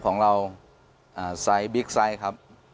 ของเราไซส์บิ๊กไซส์ครับ